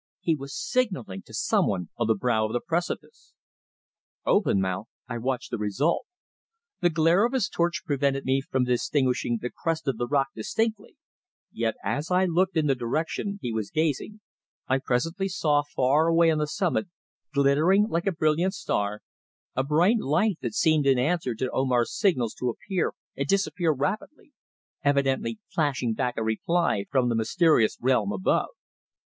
He was signalling to someone on the brow of the precipice! Open mouthed I watched the result. The glare of his torch prevented me from distinguishing the crest of the rock distinctly, yet as I looked in the direction he was gazing I presently saw far away on the summit, glittering like a brilliant star, a bright light that seemed in answer to Omar's signals to appear and disappear rapidly, evidently flashing back a reply from the mysterious realm above.